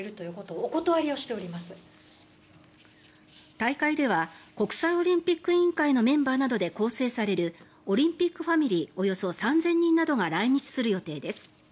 大会では国際オリンピック委員会のメンバーなどで構成されるオリンピックファミリーおよそ３０００人などが来日する予定です。